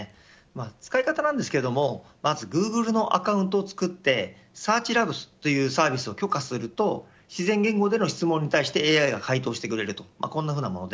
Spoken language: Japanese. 使い方なんですけどグーグルのアカウントを作ってサーチＬａｂｓというサービスを許可すると自然言語での質問に対してＡＩが回答してくれます。